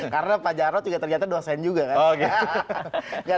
karena pak jarot juga ternyata dosen juga kan